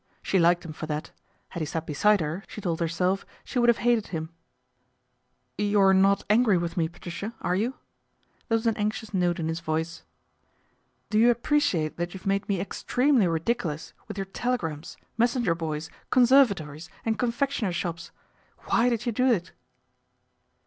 She liked him for that. Had he sat beside her, she told herself, she would have hated him. " You're not angry with me, Patricia, are you ?" There was an anxious note in his voice. " Do you appreciate that you've made me extremely ridiculous with your telegrams, mes senger boys, conservatories, and confectioner's shops ? Why did you do it